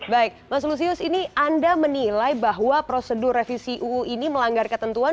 baik mas lusius ini anda menilai bahwa prosedur revisi uu ini melanggar ketentuan